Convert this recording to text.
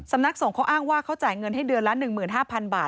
สำนักส่งเขาอ้างว่าเขาจ่ายเงินให้เดือนละ๑๕๐๐๐บาท